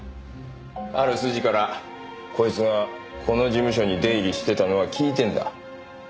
ある筋からこいつがこの事務所に出入りしてたのは聞いてんだ。